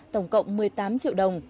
tổng cộng một mươi tám triệu đồng